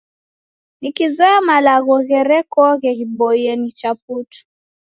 Nikizoya malagho gherekoghe ghiboie nicha putu.